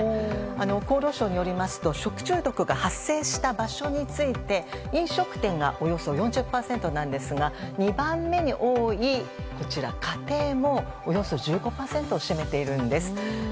厚労省によりますと、食中毒が発生した場所について飲食店がおよそ４０％なんですが２番目に多い家庭もおよそ１５％を占めているんです。